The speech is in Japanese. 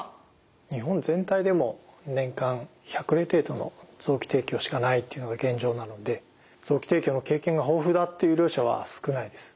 日本全体でも年間１００例程度の臓器提供しかないというのが現状なので臓器提供の経験が豊富だっていう医療者は少ないです。